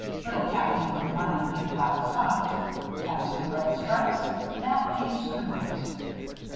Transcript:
Little Patsy wouldn't mind the big black spots. As for the red stripes, that piece could wait.